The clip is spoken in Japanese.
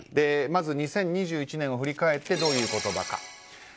まず、２０２１年を振り返ってどういう言葉か。